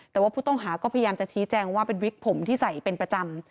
แต่ว่าผู้ต้องหาก็พยายามจะชี้แจงว่าเป็นวิกผมที่ใส่เป็นประจำ